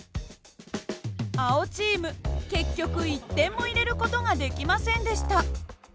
青チーム結局１点も入れる事ができませんでした。